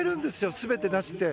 全て出して。